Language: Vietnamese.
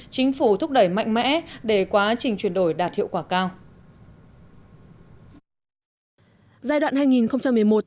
chính phủ thúc đẩy mạnh mẽ để quá trình chuyển đổi đạt hiệu quả cao